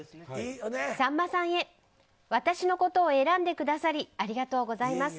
さんまさんへ私のことを選んでくださりありがとうございます。